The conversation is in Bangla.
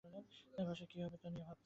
ভাষা কী হবে তাই নিয়ে ভাবছেন।